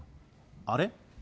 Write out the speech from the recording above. あれ？